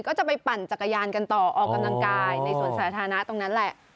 ก็จะไปปั่นจักรยานกันต่อออกกำลังกายในสวนสาธารณะตรงนั้นแหละ